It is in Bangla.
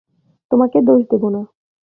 তোমাকে দোষ দেব না।